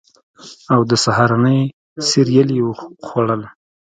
او د سهارنۍ سیریل یې خوړل